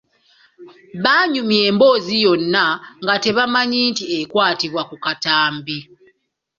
Baanyumya emboozi yonna nga tebamanyi nti ekwatibwa ku katambi.